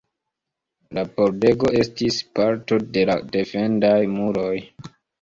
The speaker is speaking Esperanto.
La pordego estis parto de la defendaj muroj.